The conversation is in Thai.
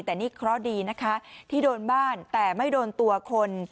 แต่นี่เคราะห์ดีนะคะที่โดนบ้านแต่ไม่โดนตัวคน